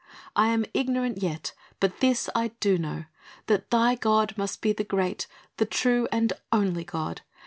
I am ignorant yet but this I do know, that thy God must be the great, the true and only God.